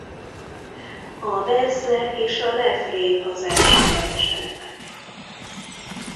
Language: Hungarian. A verze és a refrén az elsődleges elemek.